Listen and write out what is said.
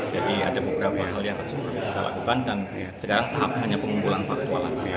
jadi ada beberapa hal yang harus kita lakukan dan sekarang tahapnya hanya pengumpulan faktual